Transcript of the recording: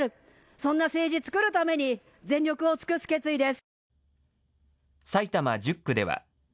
そんな政治つくるために全力を尽くす決意です。